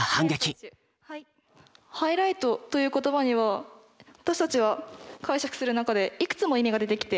「ハイライト」という言葉には私たちは解釈する中でいくつも意味が出てきて。